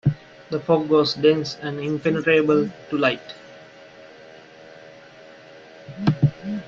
The fog was dense and impenetrable to light.